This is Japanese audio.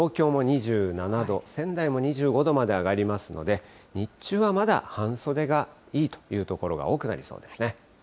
東京も２７度、仙台も２５度まで上がりますので、日中はまだ半袖がいいという所が多くなりそうですね。